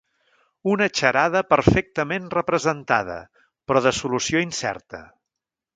Una xarada perfectament representada, però de solució incerta.